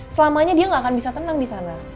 selamanya dia nggak akan bisa tenang di sana